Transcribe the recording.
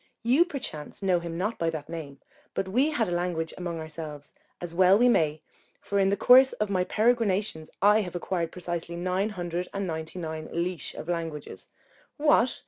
You perchance know him not by that name; but we had a language among ourselves, as well we may, for in the course of my peregrinations I have acquired precisely nine hundred and ninety nine leash of languages. What!